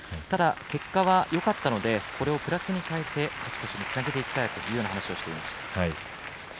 ただ、結果はよかったのでこれをプラスに変えて勝ち越しつなげたいという話をしていました。